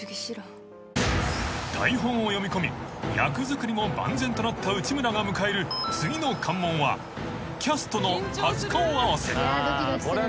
［台本を読み込み役作りも万全となった内村が迎える次の関門は］これは。